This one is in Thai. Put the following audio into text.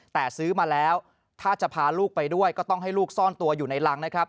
แต่ซื้อมาแล้วถ้าจะพาลูกไปด้วยก็ต้องให้ลูกซ่อนตัวอยู่ในรังนะครับ